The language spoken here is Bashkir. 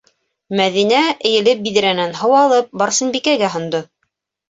- Мәҙинә эйелеп биҙрәнән һыу алып, Барсынбикәгә һондо.